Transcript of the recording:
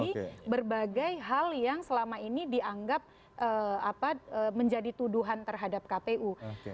jadi berbagai hal yang selama ini dianggap menjadi tuduhan terhadap kpu